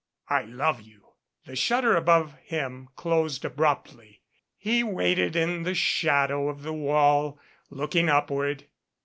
"I love you." The shutter above him closed abruptly. He waited in the shadow of the wall looking upward.